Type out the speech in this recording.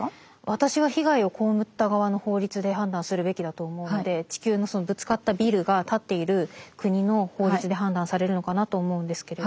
私は被害を被った側の法律で判断するべきだと思うので地球のそのぶつかったビルが建っている国の法律で判断されるのかなと思うんですけれど。